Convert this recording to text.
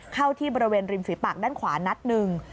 เข้าที่บริเวณริมฝีปากด้านขวานัดหนึ่ง